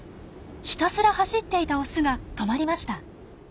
ひたすら走っていたオスが止まりました。